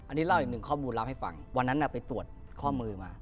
อันนี้เล่าอีกหนึ่งข้อมูลลับให้ฟังวันนั้นไปตรวจข้อมือมา